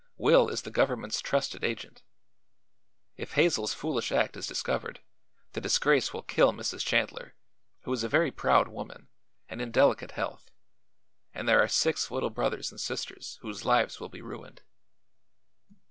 Will is the government's trusted agent. If Hazel's foolish act is discovered, the disgrace will kill Mrs. Chandler, who is a very proud woman and in delicate health, and there are six little brothers and sisters whose lives will be ruined."